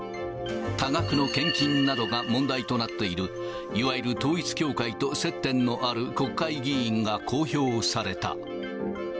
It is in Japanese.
多額の献金などが問題となっている、いわゆる統一教会と接点のある国会議員が公表された。